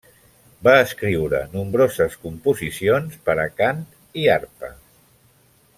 Va escriure nombroses composicions per a cant i arpa.